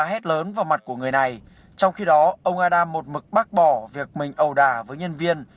hét lớn vào mặt của người này trong khi đó ông adam một mực bác bỏ việc mình ầu đà với nhân viên